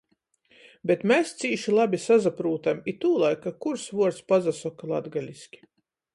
Bet mes cīši labi sasaprūtam i tūlaik, ka kurs vuords pasasoka latgaliski.